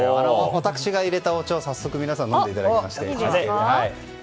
私が入れたお茶を早速皆さん飲んでいただいて。